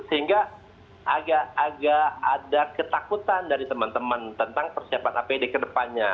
sehingga agak ada ketakutan dari teman teman tentang persiapan apd ke depannya